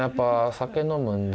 酒飲むんで。